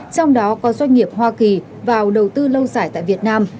trong đó có doanh nghiệp hoa kỳ vào đầu tư lâu dài tại việt nam